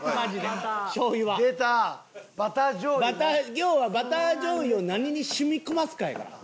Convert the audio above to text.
要はバター醤油を何に染み込ますかやから。